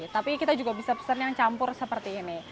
tapi kita juga bisa pesan yang campur seperti ini